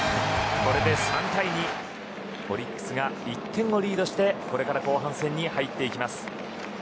これで３対２とオリックスが１点リードしてこれから後半戦に入っていきます。